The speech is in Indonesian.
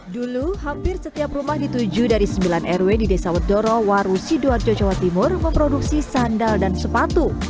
dulu hampir setiap rumah dituju dari sembilan rw di desa wedoro waru sidoarjo jawa timur memproduksi sandal dan sepatu